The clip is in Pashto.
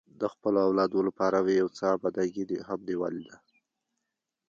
د خپلو اولادو لپاره مې یو څه اماده ګي هم نیولې ده.